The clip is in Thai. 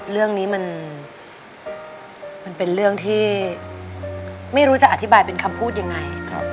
เรื่องนี้มันเป็นเรื่องที่ไม่รู้จะอธิบายเป็นคำพูดยังไง